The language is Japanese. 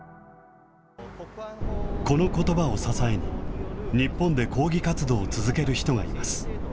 このことばを支えに、日本で抗議活動を続ける人がいます。